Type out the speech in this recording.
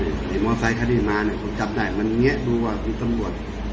นี่มอเซ้คันยืนมาเนี่ยผมจับได้มันเงะดูว่ามีตำรวจ